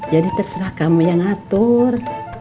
jadi terserah kamu yang atur